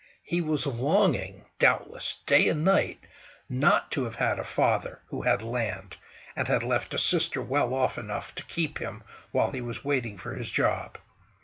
He was longing, doubtless, day and night, not to have had a father who had land, and had left a sister well enough off to keep him while he was waiting for his job.